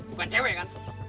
bukan cewek kan